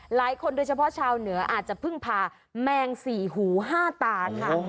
โดยเฉพาะชาวเหนืออาจจะพึ่งพาแมงสี่หูห้าตาค่ะ